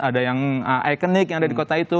ada yang ikonik yang ada di kota itu